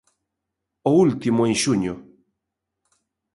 O último en xuño.